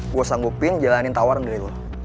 gue sanggupin jalanin tawaran dari dulu